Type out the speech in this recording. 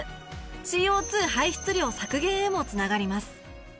ＣＯ２ 排出量削減へも繋がります